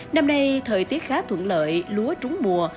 năm nay thời tiết khá thuận lợi lúa trúng mùa